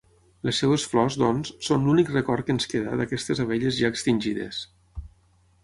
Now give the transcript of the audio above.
Les seves flors, doncs, són l'únic record que ens queda d'aquestes abelles ja extingides.